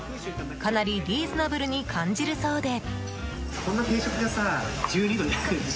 かなりリーズナブルに感じるそうで。